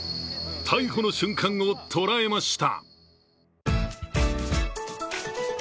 逮捕の瞬間を捉えました。